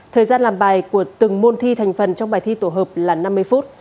thời gian làm bài của từng môn thi thành phần trong bài thi tổ hợp là năm mươi phút